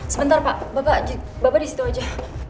sebentar pak bapak disitu aja